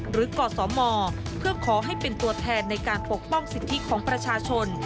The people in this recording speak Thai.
กศมเพื่อขอให้เป็นตัวแทนในการปกป้องสิทธิของประชาชน